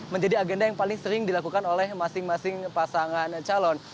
menjadi agenda yang paling sering dilakukan oleh masing masing pasangan calon